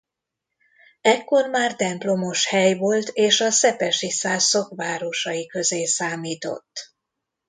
Ekkor már templomos hely volt és a szepesi szászok városai közé számított.